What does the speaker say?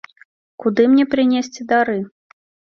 Куды мне прынесці дары?